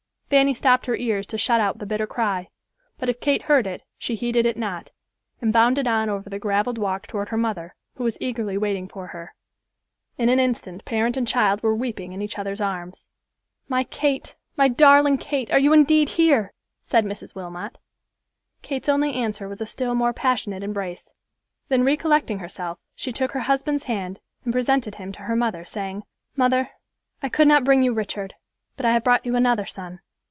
Fanny stopped her ears to shut out the bitter cry, but if Kate heard it, she heeded it not, and bounded on over the graveled walk toward her mother, who was eagerly waiting for her. In an instant parent and child were weeping in each other's arms. "My Kate, my darling Kate, are you indeed here?" said Mrs. Wilmot. Kate's only answer was a still more passionate embrace. Then recollecting herself, she took her husband's hand and presented him to her mother, saying, "Mother, I could not bring you Richard, but I have brought you another son.